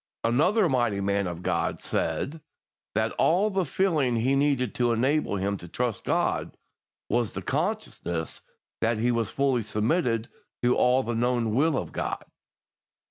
Another mighty man of God said that all the feeling he needed to enable him to trust God was the consciousness that he was fully submitted to all the known will of God.